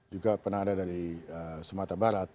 juga pernah ada dari sumatera barat